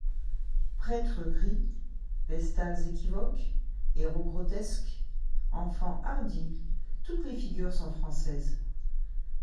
Prêtres gris, vestales équivoques, héros grotesques, enfants hardis, toutes les figures sont françaises.